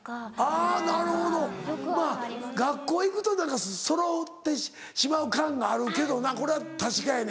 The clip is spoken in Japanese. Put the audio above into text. あぁなるほどまぁ学校行くと何かそろってしまう感があるけどなこれは確かやね。